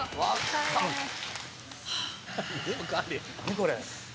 これ」